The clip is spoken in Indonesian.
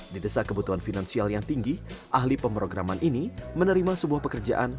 di desa kebutuhan finansial yang tinggi ahli pemrograman ini menerima sebuah pekerjaan